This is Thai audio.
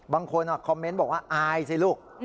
บางคนคอมเมนต์บอกว่าอายสิลูก